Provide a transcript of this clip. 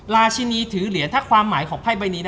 ราชินีถือเหรียญถ้าความหมายของไพ่ใบนี้